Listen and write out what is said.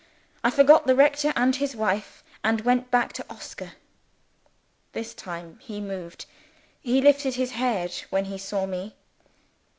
I forgot the rector and his wife, and went back to Oscar. This time he moved he lifted his head when he saw me.